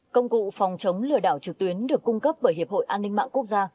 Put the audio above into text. công cụ phòng chống lừa đảo trực tuyến được cung cấp bởi hiệp hội an ninh mạng quốc gia